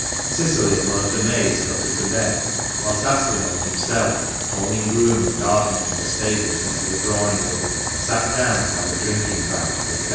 Cicily and one of the maids got her to bed, whilst Aspinall himself, calling groom and gardener from the stables into the drawing room, sat down to have a drinking bout with them.